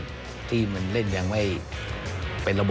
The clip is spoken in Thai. ก็คือคุณอันนบสิงต์โตทองนะครับ